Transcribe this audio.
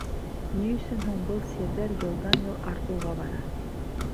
— Ни өсөн һуң был сирҙәр йылдан-йыл артыуға бара?